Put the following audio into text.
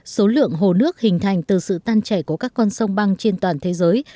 số lượng hồ nước hình thành từ sự tan chảy của các con sông băng trên toàn thế giới